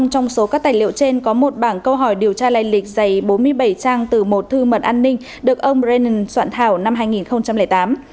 các tài liệu trên có một bảng câu hỏi điều tra lây lịch dày bốn mươi bảy trang từ một thư mật an ninh được ông brennan soạn thảo năm hai nghìn tám